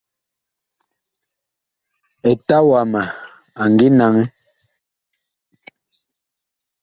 Eta wama a ngi naŋɛ.